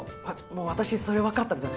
私それ分かったんです。